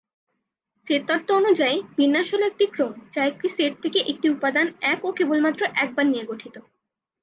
Set তত্ত্ব অনুযায়ী, বিন্যাস হল একটি ক্রম যা একটি সেট থেকে একটি উপাদান এক ও কেবলমাত্র একবার নিয়ে গঠিত।